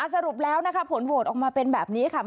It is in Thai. สรุปแล้วนะคะผลโหวตออกมาเป็นแบบนี้ค่ะ